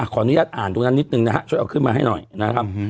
ขออนุญาตอ่านตรงนั้นนิดนึงนะฮะช่วยเอาขึ้นมาให้หน่อยนะครับ